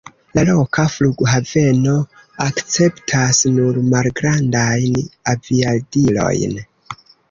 La loka flughaveno akceptas nur malgrandajn aviadilojn.